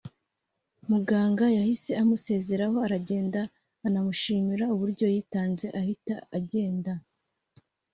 Muganga yahise amusezeraho aragenda anamushimira uburyo yitanze ahita agenda